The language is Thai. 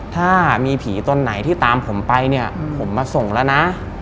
ถ้ามีผีตนไหนที่ตามผมไปเนี่ยผมมาส่งแล้วนะ